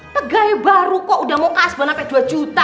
pegawai baru kok udah mau kasban sampai dua juta